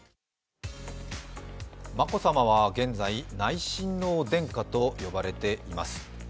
眞子さまは現在、内親王殿下と呼ばれています。